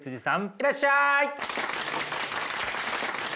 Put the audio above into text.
いらっしゃい。